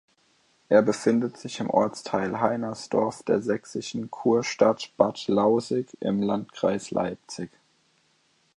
Er befindet sich im Ortsteil Heinersdorf der sächsischen Kurstadt Bad Lausick im Landkreis Leipzig.